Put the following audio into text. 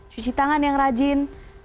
cuci tangan yang rajin